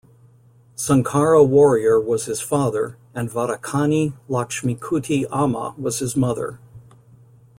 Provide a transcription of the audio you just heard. Sankara Warrier was his father and Vadakkani Lakshmikutty Amma was his mother.